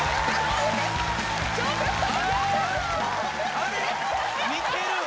あれ。